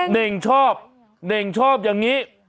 เน่งชอบเน่งชอบอย่างนี้